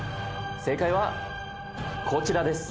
正解はこちらです。